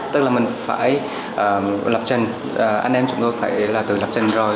tức là mình phải lập trình anh em chúng tôi phải tự lập trình rồi